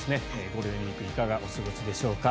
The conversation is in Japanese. ゴールデンウィークいかがお過ごしでしょうか。